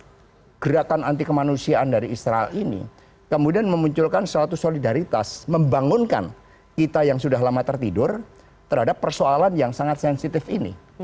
karena ekstremisme gerakan anti kemanusiaan dari israel ini kemudian memunculkan suatu solidaritas membangunkan kita yang sudah lama tertidur terhadap persoalan yang sangat sensitif ini